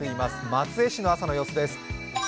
松江市の朝の様子です。